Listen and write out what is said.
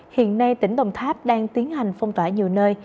hiện nay tỉnh đồng tháp đang tiến hành phong tỏa nhiều nơi